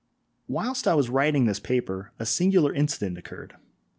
Whilst I was writing this paper a singular incident occurred.